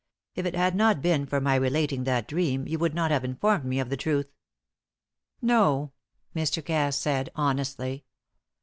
If it had not been for my relating that dream, you would not have informed me of the truth." "No," Mr. Cass said, honestly.